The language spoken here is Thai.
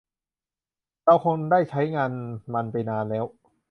เราคงได้ใช้งานมันไปนานแล้ว